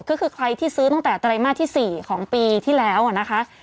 ก็คือใครที่ซื้อตั้งแต่ไตรมาสที่๔ของปีที่แล้วนะคะ